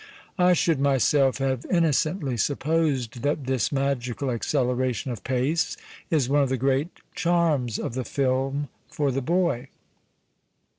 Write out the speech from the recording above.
I should myself have inno cently supposed that this magical acceleration of pace is one of the great charms of the Him for the boy.